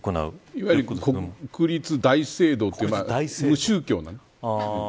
いわゆる国立大聖堂という無宗教の。